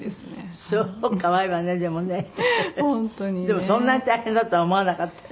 でもそんなに大変だとは思わなかった？